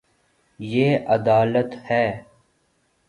یے ادالت ہے